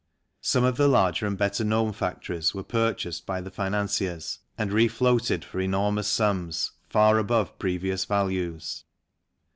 Some of the larger and better known factories were purchased by the financiers and refloated for enormous sums, far above their previous values.